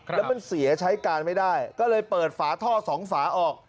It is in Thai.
แล้วมันเสียใช้การไม่ได้ก็เลยเปิดฝาท่อสองฝาออก